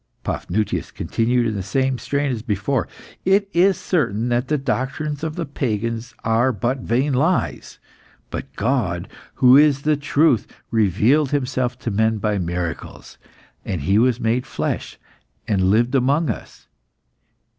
Paphnutius continued in the same strain as before "It is certain that the doctrines of the pagans are but vain lies. But God, who is the truth, revealed Himself to men by miracles, and He was made flesh, and lived among us."